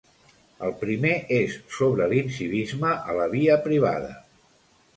El primer és sobre l'incivisme a la via privada.